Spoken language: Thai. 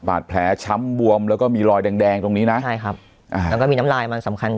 บาดแผลช้ำบวมแล้วก็มีรอยแดงแดงตรงนี้นะใช่ครับอ่าแล้วก็มีน้ำลายมันสำคัญ